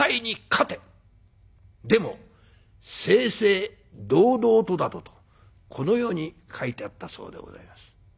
でも正々堂々とだ」とこのように書いてあったそうでございます。